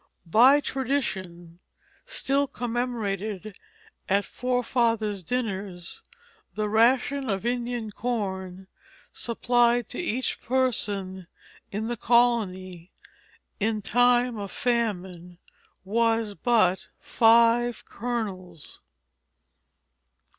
By tradition, still commemorated at Forefathers' Dinners, the ration of Indian corn supplied to each person in the colony in time of famine was but five kernels.